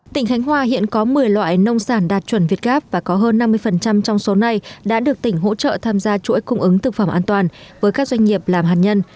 tỉnh khánh hòa hiện có một mươi loại nông sản đạt chuẩn việt gáp và có hơn năm mươi trong số này đã được tỉnh hỗ trợ tham gia chuỗi cung ứng thực phẩm an toàn với các doanh nghiệp làm hạt nhân